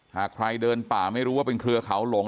หากใครเดินป่าไม่รู้ว่าเป็นเครือเขาหลง